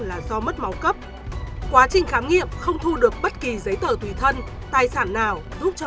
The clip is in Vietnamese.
là do mất máu cấp quá trình khám nghiệm không thu được bất kỳ giấy tờ tùy thân tài sản nào giúp cho